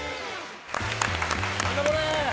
何だこれ？